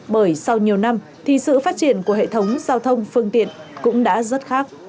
bởi sau nhiều năm thì sự phát triển của hệ thống giao thông phương tiện cũng đã rất khác